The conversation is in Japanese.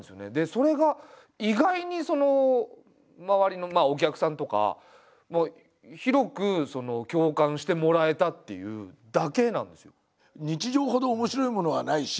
それが意外に周りのお客さんとか広く共感してもらえたというだけなんですよ。